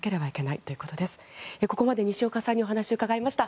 ここまで西岡さんにお話を伺いました。